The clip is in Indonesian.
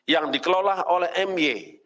yang dikelola oleh my